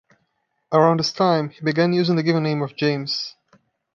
Around this time, he began using the given name of James.